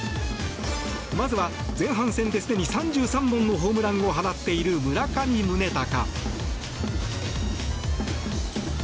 まずは、前半戦ですでに３３本のホームランを放っている村上宗隆。